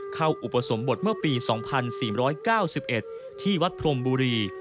อุปสมบทเมื่อปี๒๔๙๑ที่วัดพรมบุรี